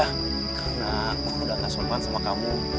karena aku udah nggak sopan sama kamu